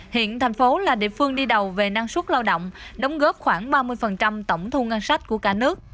hiện thành phố là địa phương đi đầu về năng suất lao động đóng góp khoảng ba mươi tổng thu ngân sách của cả nước